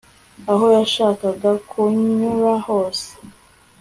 aho yashakaga kunyura hose